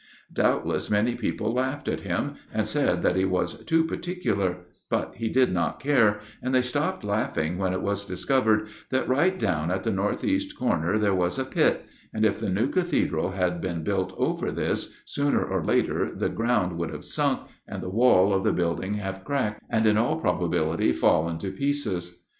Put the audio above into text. Doubtless many people laughed at him, and said that he was too particular, but he did not care, and they stopped laughing when it was discovered that right down at the north east corner there was a pit, and if the new Cathedral had been built over this, sooner or later the ground would have sunk, and the wall of the building have cracked, and in all probability fallen to pieces.